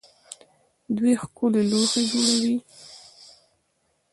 دوی ښکلي لوښي جوړوي.